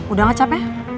udah gak capek